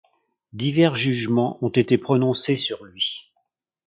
Divers jugements ont été prononcés sur lui.